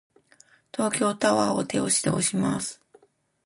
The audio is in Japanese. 東京タワーを手押しで押します。